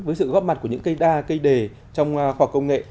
với sự góp mặt của những cây đa cây đề trong khoa học công nghệ